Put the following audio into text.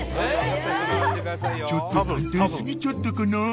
［ちょっと簡単過ぎちゃったかな？］